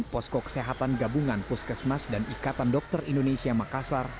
posko kesehatan gabungan puskesmas dan ikatan dokter indonesia makassar